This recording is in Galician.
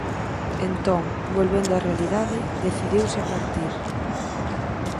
Entón, volvendo á realidade, decidiuse a partir.